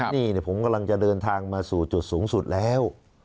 นี่ผมกำลังจะเดินทางมาสู่จุดสูงสุดแล้ว